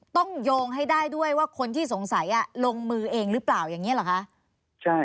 ต้องโยงให้ได้ด้วยว่าคนที่สงสัยลงมือเองหรือเปล่าอย่างนี้เหรอคะ